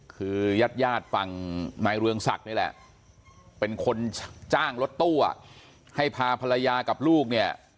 คือยาดฝั่งนายเรืองศักดิ์นี่แหละเป็นคนจ้างรถตู้อ่ะให้พาภรรยากับลูกเนี่ย